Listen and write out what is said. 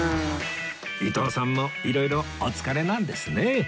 伊東さんもいろいろお疲れなんですね